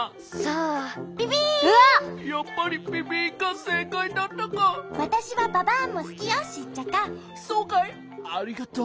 ありがとう。